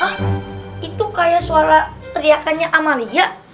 hah itu kaya suara teriakannya amalia